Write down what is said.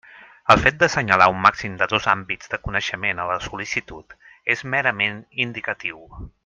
El fet d'assenyalar un màxim de dos àmbits de coneixement a la sol·licitud és merament indicatiu.